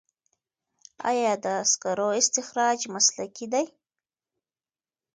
آیا د سکرو استخراج مسلکي دی؟